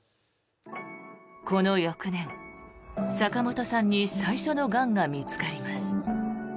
この翌年、坂本さんに最初のがんが見つかります。